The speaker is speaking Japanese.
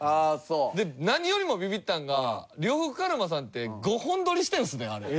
で何よりもビビッたんが呂布カルマさんって５本撮りしてるんですねあれ。